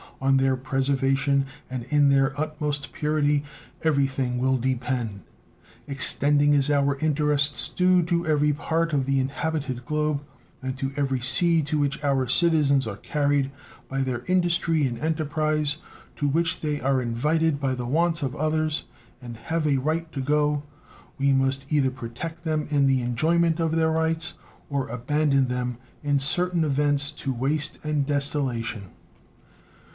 On their preservation and in their utmost purity everything will depend. Extending as our interests do to every part of the inhabited globe and to every sea to which our citizens are carried by their industry and enterprise, to which they are invited by the wants of others, and have a right to go, we must either protect them in the enjoyment of their rights or abandon them in certain events to waste and desolation.